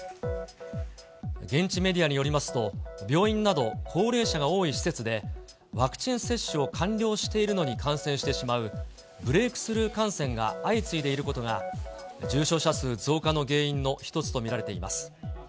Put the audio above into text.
現地メディアによりますと、病院など高齢者が多い施設で、ワクチン接種を完了しているのに感染してしまう、ブレークスルー感染が相次いでいることが、重症者数増加の原因の一つと見られています。